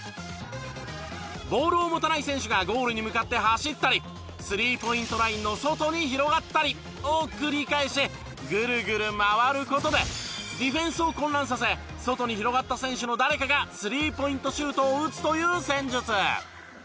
ボールを持たない選手がゴールに向かって走ったりスリーポイントラインの外に広がったりを繰り返しぐるぐる回る事でディフェンスを混乱させ外に広がった選手の誰かがスリーポイントシュートを打つという戦術！